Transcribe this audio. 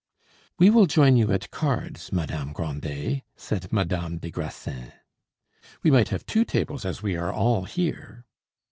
"We will join you at cards, Madame Grandet," said Madame des Grassins. "We might have two tables, as we are all here."